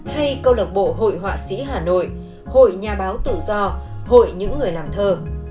hay câu lạc bộ hội họa sĩ hà nội hội nhà báo tự do hội những người làm thơ